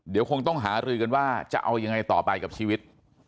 เดี๋ยวคงต้องหารือกันว่าจะเอายังไงต่อไปกับชีวิต